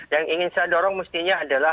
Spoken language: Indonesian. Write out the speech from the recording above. yang ingin saya dorong mestinya adalah